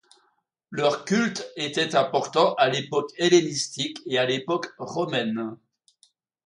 Leur culte était important à l'époque hellénistique et à l'époque romaine.